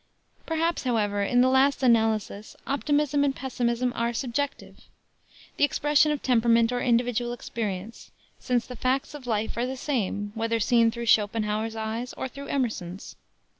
Perhaps, however, in the last analysis optimism and pessimism are subjective the expression of temperament or individual experience, since the facts of life are the same, whether seen through Schopenhauer's eyes or through Emerson's.